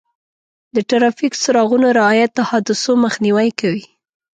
د ټرافیک څراغونو رعایت د حادثو مخنیوی کوي.